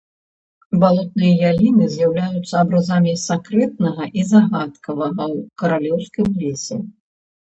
Балотныя яліны з'яўляюцца абразамі сакрэтнага і загадкавага ў каралеўскім лесе.